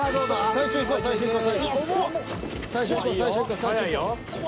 最初いこう最初いこう。